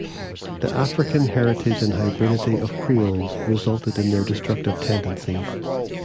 The African heritage and hybridity of Creoles resulted in their destructive tendencies.